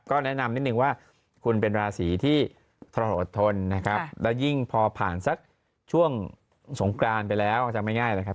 ก็แนะนำนิดนึงว่าคุณเป็นราศีที่ทรหดทนนะครับแล้วยิ่งพอผ่านสักช่วงสงกรานไปแล้วจำง่ายนะครับ